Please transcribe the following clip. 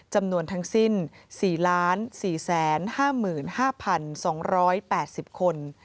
จำนวนทั้งสิ้น๔๔๕๕๒๘๐คน